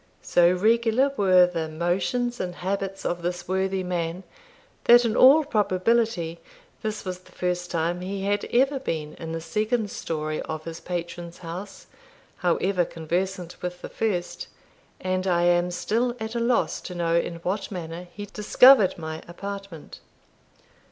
So regular were the motions and habits of this worthy man, that in all probability this was the first time he had ever been in the second story of his patron's house, however conversant with the first; and I am still at a loss to know in what manner he discovered my apartment.